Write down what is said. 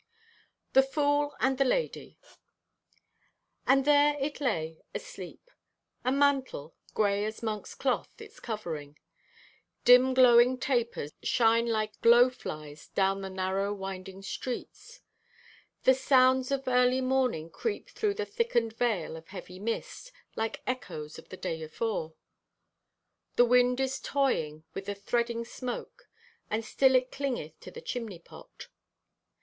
THE FOOL AND THE LADY And there it lay, asleep. A mantle, gray as monk's cloth, its covering. Dim glowing tapers shine like glowflies down the narrow winding streets. The sounds of early morning creep through the thickened veil of heavy mist, like echoes of the day afore. The wind is toying with the threading smoke, and still it clingeth to the chimney pot.